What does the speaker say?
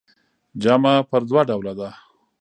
جمعه پر دوه ډوله ده.